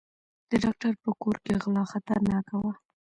د ډاکټر په کور کې غلا خطرناکه وه.